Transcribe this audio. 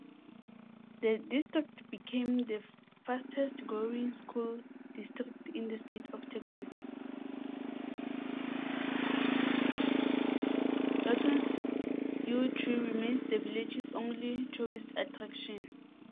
Lorton's Yew Tree remains the village's only tourist attraction.